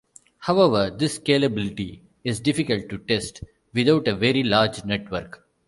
However, this scalability is difficult to test without a very large network.